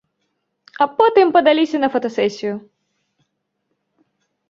А потым падаліся на фотасесію.